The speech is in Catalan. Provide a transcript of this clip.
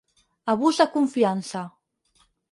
Abús de confiança.